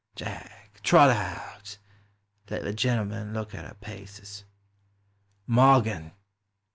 Jack, trot her out; let the gentle man look at her paces. Morgan